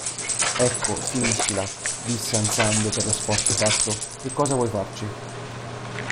Ecco, finiscila, – disse ansando per lo sforzo fatto, – che cosa vuoi farci?